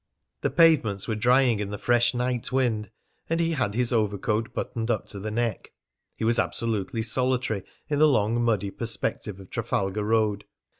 The pavements were drying in the fresh night wind, and he had his overcoat buttoned up to the neck. He was absolutely solitary in the long, muddy perspective of Trafalgar Road.